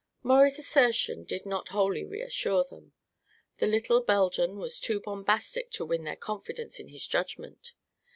Maurie's assertion did not wholly reassure them. The little Belgian was too bombastic to win their confidence in his judgment.